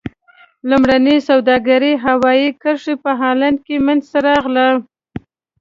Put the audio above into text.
لومړنۍ سوداګرۍ هوایي کرښه په هالند کې منځته راغله.